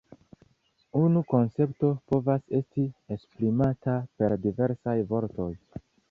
Unu koncepto povas esti esprimata per diversaj vortoj.